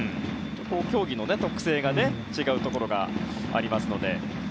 競技の特性が違うところがありますので。